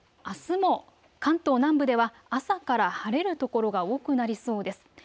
あすも関東南部では朝から晴れる所が多くなりそうです。